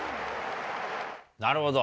なるほど。